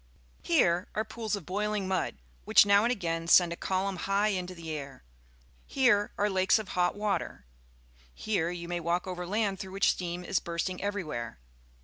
Here are pools of bpilingjnud, which now and again send a columnhigrrinto the air; here are lakes of hot water; here you may walk over land through which .steam is bursting every where.